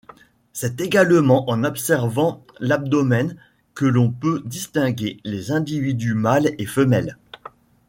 C'est également en observant l'abdomen que l'on peut distinguer les individus mâles et femelles.